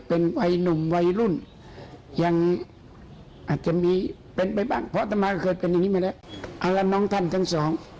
เอาล่ะน้องท่านทั้งสอง